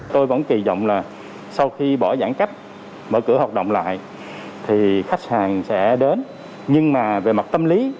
tôi vẫn kỳ vọng là sau khi bỏ giãn cách mở cửa hoạt động lại thì khách hàng sẽ đến nhưng mà về mặt tâm lý